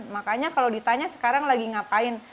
makanya kalau ditanya sekarang lagi ngapain